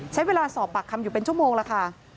ใช้เวลาสอบปากคำอยู่เป็นชั่วโมงแล้วค่ะ